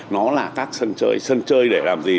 nó là các sân chơi sân chơi để làm gì